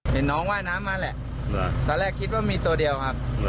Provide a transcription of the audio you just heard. เห็นน้องว่ายน้ำมาแหละตอนแรกคิดว่ามีตัวเดียวครับ